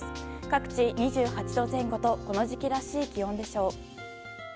各地２８度前後とこの時期らしい気温でしょう。